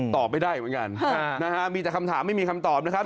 ตอบไม่ได้เหมือนกันนะฮะมีแต่คำถามไม่มีคำตอบนะครับ